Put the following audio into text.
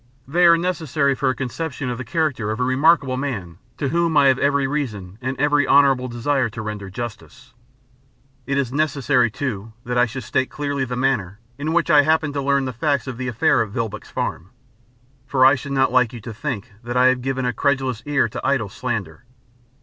They are necessary for a conception of the character of a remarkable man to whom I have every reason and every honourable desire to render justice. It is necessary, too, that I should state clearly the manner in which I happened to learn the facts of the affair at Vilboek's Farm, for I should not like you to think that I have given a credulous ear to idle slander.